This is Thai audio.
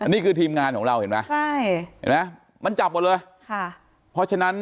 นี่คือทีมงานของเราเผ็ดมามันจับกันเลย